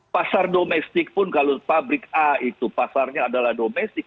pasar domestik pun kalau pabrik a itu pasarnya adalah domestik